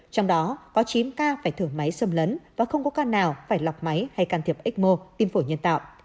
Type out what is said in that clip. trong đó có chín ca phải thử máy xâm lấn và không có ca nào phải lọc máy hay can thiệp x mô tiêm phổ nhân tạo